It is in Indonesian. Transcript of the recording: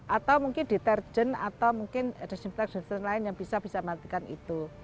atau mungkin deterjen atau mungkin disinfektan lain yang bisa bisa melakukan itu